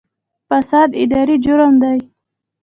فساد اداري جرم دی